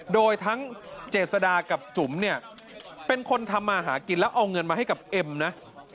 โดยทั้งเจษดากับจุ๋มเนี่ยเป็นคนทำมาหากินแล้วเอาเงินมาให้กับเอ็มนะ